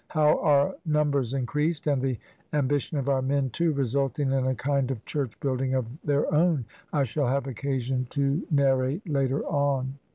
How our numbers increased, and the am bition of our men, too, resulting in a kind of church building of their own, I shall have occasion to narrate later on.